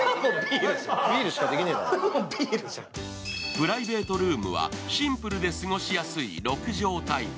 プライベートルームはシンプルで過ごしやすい６畳タイプ。